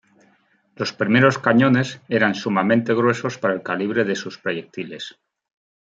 Los primeros cañones eran sumamente gruesos para el calibre de sus proyectiles.